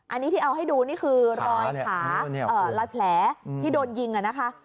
อันนี้ที่เอาให้ดูนี่คือรอยขารอยแผลที่โดนยิงนะคะ